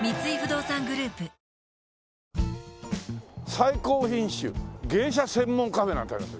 「最高品種ゲイシャ専門カフェ」なんてありますよ。